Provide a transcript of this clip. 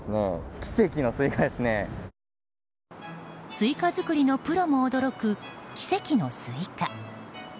スイカ作りのプロも驚く奇跡のスイカ。